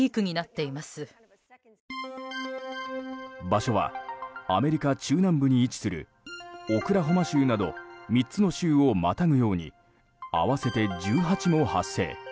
場所はアメリカ中南部に位置するオクラホマ州など３つの州をまたぐように合わせて１８も発生。